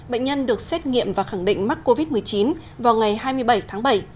bệnh nhân được xét nghiệm và khẳng định mắc covid một mươi chín vào ngày hai mươi bảy tháng bảy